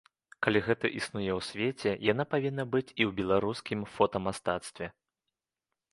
Калі гэта існуе ў свеце, яна павінна быць і ў беларускім фотамастацтве!